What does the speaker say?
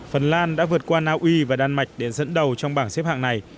phần lan đã vượt qua naui và đan mạch để dẫn đầu trong bảng xếp hạng này